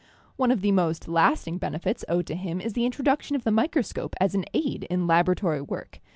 One of the most lasting benefits owed to him is the introduction of the microscope as an aid in laboratory work.